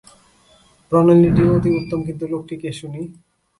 প্রণালীটি অতি উত্তম, কিন্তু লোকটি কে শুনি।